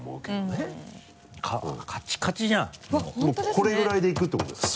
これぐらいでいくってことですか